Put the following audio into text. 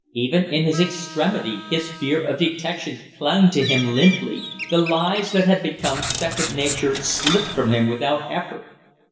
Even in his extremity his fear of detection clung to him limply the lies that had become second nature slipped from him without effort.